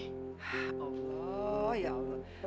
ya allah ya allah